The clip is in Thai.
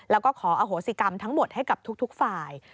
แล้วก็ขออโหสิกรรมทั้งหมดให้กับทุกฝ่าย